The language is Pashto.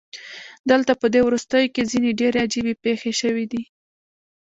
دلته پدې وروستیو کې ځینې ډیرې عجیبې پیښې شوې دي